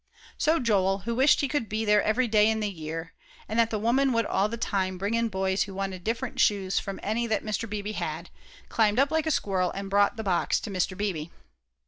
So Joel, who wished he could be there every day in the year, and that that woman would all the time bring in boys who wanted different shoes from any that Mr. Beebe had, climbed up like a squirrel and brought the box to Mr. Beebe.